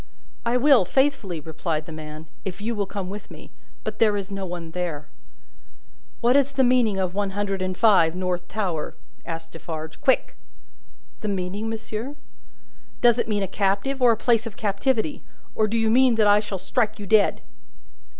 "I will faithfully," replied the man, "if you will come with me. But there is no one there." "What is the meaning of One Hundred and Five, North Tower?" asked Defarge. "Quick!" "The meaning, monsieur?" "Does it mean a captive, or a place of captivity? Or do you mean that I shall strike you dead?"